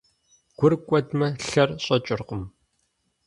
Гур кӀуэдмэ, лъэр щӀэкӀыркъым.